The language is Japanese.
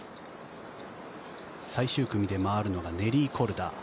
最終組で回るのがネリー・コルダ。